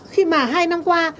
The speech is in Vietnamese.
khi mà hai năm qua